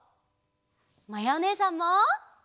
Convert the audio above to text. まやおねえさんも！